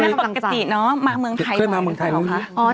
ไม่ได้ปกติเนอะมาเมืองไทยก็ไม่ได้ค่ะ